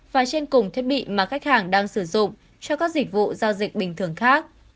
và trên cùng thiết bị mà khách hàng đang sử dụng cho các dịch vụ giao dịch bình thường khác